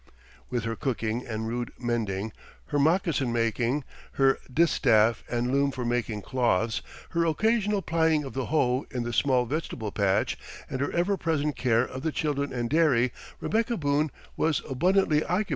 With her cooking and rude mending, her moccasin making, her distaff and loom for making cloths, her occasional plying of the hoe in the small vegetable patch, and her ever present care of the children and dairy, Rebecca Boone was abundantly occupied.